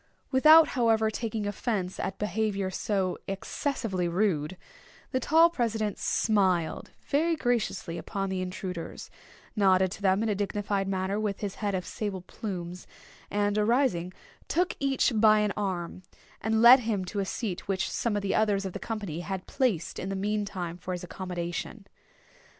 Without, however, taking offence at behaviour so excessively rude, the tall president smiled very graciously upon the intruders—nodded to them in a dignified manner with his head of sable plumes—and, arising, took each by an arm, and led him to a seat which some others of the company had placed in the meantime for his accommodation.